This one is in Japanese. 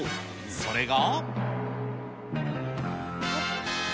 それが。